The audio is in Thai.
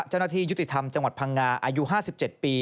เจ้าหน้าที่ยุติธรรมจังหวัดพังงาอายุ๕๗ปี